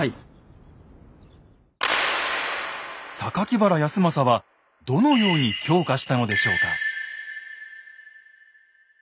原康政はどのように強化したのでしょうか？